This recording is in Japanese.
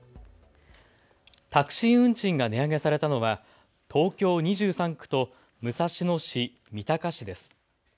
タクシー運賃が値上げされたのは東京２３区と武蔵野市、三鷹市です。